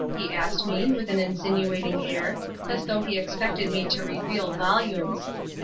he asked me, with an insinuating air, as though he expected me to reveal volumes.